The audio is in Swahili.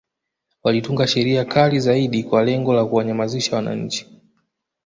Walitunga Sheria kali zaidi kwa lengo la kuwanyamanzisha wananchi